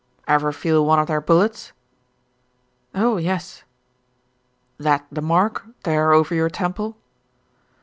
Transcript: "Ever feel one of their bullets?" "Oh, yes." "That the mark, there over your temple?"